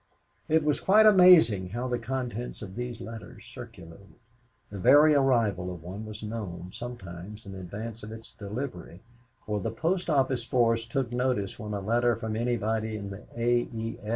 It was quite amazing how the contents of these letters circulated. The very arrival of one was known, sometimes, in advance of its delivery, for the post office force took notice when a letter from anybody in the A. E.